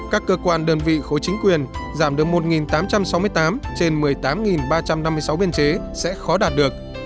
các cơ quan đơn vị khối chính quyền giảm được một tám trăm sáu mươi tám trên một mươi tám ba trăm năm mươi sáu biên chế sẽ khó đạt được